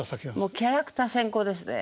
もうキャラクター先行ですね。